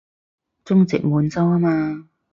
中殖滿洲吖嘛